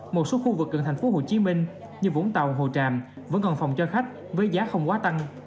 một số khu vực gần thành phố hồ chí minh như vũng tàu hồ tràm vẫn còn phòng cho khách với giá không quá tăng